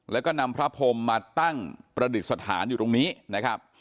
แล้วก็นำพระพรมมาตั้งประดิษฐานอยู่ตรงนี้นะครับ